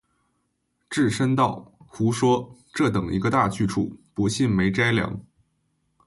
智深道：“胡说，这等一个大去处，不信没斋粮。